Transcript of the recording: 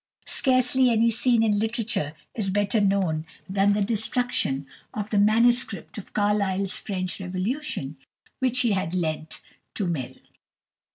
Scarcely any scene in literature is better known than the destruction of the manuscript of Carlyle's "French Revolution" which he had lent to Mill.